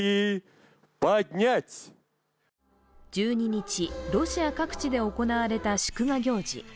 １２日、ロシア各地で行われた祝賀行事。